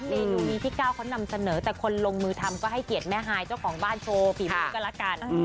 เมนูนี้พี่ก้าวเขานำเสนอแต่คนลงมือทำก็ให้เกียรติแม่ฮายเจ้าของบ้านโชว์ฝีมือก็แล้วกัน